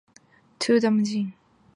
Two dams feed water to the powerhouse.